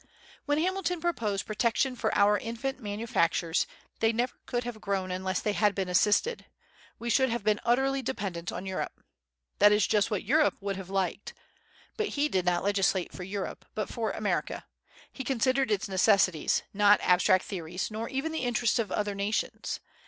When Hamilton proposed protection for our infant manufactures, they never could have grown unless they had been assisted; we should have been utterly dependent on Europe. That is just what Europe would have liked. But he did not legislate for Europe, but for America. He considered its necessities, not abstract theories, nor even the interests of other nations.